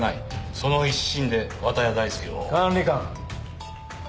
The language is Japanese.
その一心で綿谷大介を。管理官。